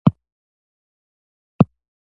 د ګیدړې لکۍ اوږده او ښکلې وي